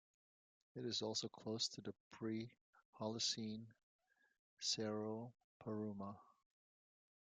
It is also close to the pre-Holocene Cerro Paruma.